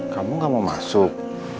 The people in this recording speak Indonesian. kamu gak mau masuk